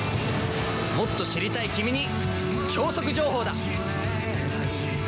もっと知りたいキミに超速情報だ！